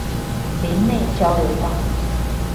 林內交流道